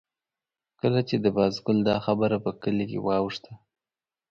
کله چې د بازګل دا خبره په کلي کې واوښته.